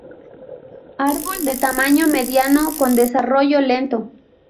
Árbol de tamaño mediano con desarrollo lento.